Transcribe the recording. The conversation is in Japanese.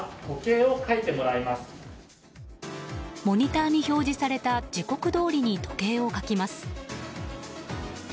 モニターに表示された時刻どおりに時計を書きます。